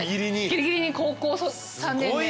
ギリギリに高校３年で。